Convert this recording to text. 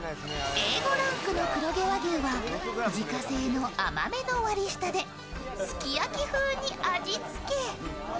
Ａ５ランクの黒毛和牛は自家製の甘めの割り下ですき焼き風に味付け。